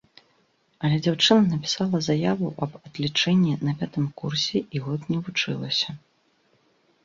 Але дзяўчына напісала заяву аб адлічэнні на пятым курсе і год не вучылася.